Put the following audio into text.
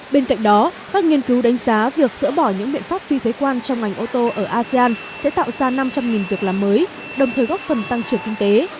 bên cạnh đó các nghiên cứu đánh giá việc dỡ bỏ những biện pháp phi thuế quan trong ngành ô tô ở asean sẽ tạo ra năm trăm linh việc làm mới đồng thời góp phần tăng trưởng kinh tế